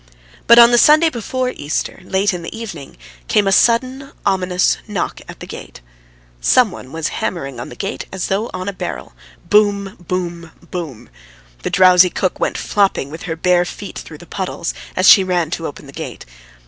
But on the Sunday before Easter, late in the evening, came a sudden ominous knock at the gate; some one was hammering on the gate as though on a barrel boom, boom, boom! The drowsy cook went flopping with her bare feet through the puddles, as she ran to open the gate.